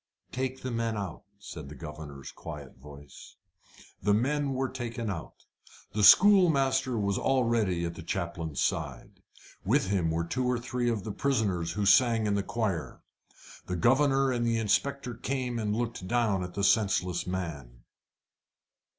"Take the men out," said the governor's quiet voice. The men were taken out. The schoolmaster was already at the chaplain's side. With him were two or three of the prisoners who sang in the choir. The governor and the inspector came and looked down at the senseless man.